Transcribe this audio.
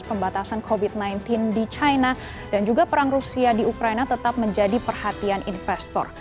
pembatasan covid sembilan belas di china dan juga perang rusia di ukraina tetap menjadi perhatian investor